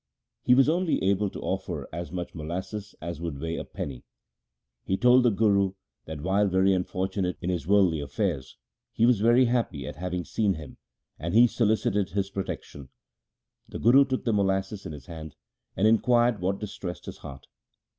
He was only able to offer as much molasses as would weigh a penny. He told the Guru that, while very unfortunate in his worldly affairs, he was very happy at having seen him, and he solicited his protection. The Guru took the molasses in his hand, and inquired what distressed his heart.